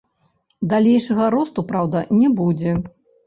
Далейшага росту, праўда, не будзе.